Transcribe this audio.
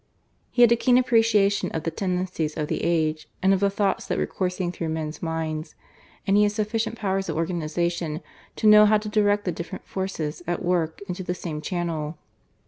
He had a keen appreciation of the tendencies of the age, and of the thoughts that were coursing through men's minds, and he had sufficient powers of organisation to know how to direct the different forces at work into the same channel.